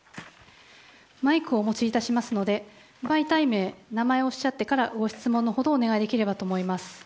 マイクをお持ちいたしますので媒体名、名前をおっしゃってからご質問のほどをお願いできればと思います。